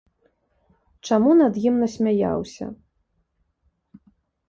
Чаму над ім насмяяўся?